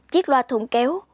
chiếc loa thùng kéo